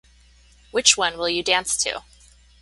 Which one will you dance to?